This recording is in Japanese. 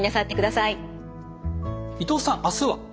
伊藤さん明日は？